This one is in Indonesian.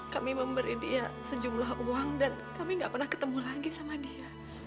kami memberi dia sejumlah uang dan kami gak pernah ketemu lagi sama dia